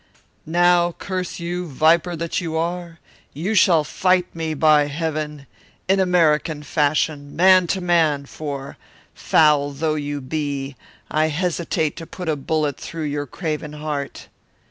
"Now, curse you, viper that you are, you shall fight me, by heaven! in American fashion, man to man, for, foul though you be, I hesitate to put a bullet through your craven heart."